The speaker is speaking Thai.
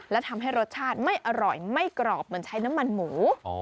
และทำให้รสชาติไม่อร่อยไม่กรอบเหมือนใช้น้ำมันหมู